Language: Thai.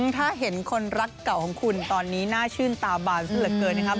ถ้าเห็นคนรักเก่าของคุณตอนนี้น่าชื่นตาบานซะเหลือเกินนะครับ